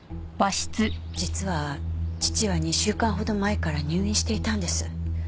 実は父は２週間ほど前から入院していたんです。